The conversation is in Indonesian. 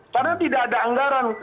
karena tidak ada anggaran